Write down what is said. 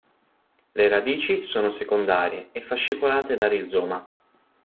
Le radici sono secondarie e fascicolate da rizoma.